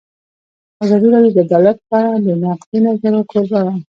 ازادي راډیو د عدالت په اړه د نقدي نظرونو کوربه وه.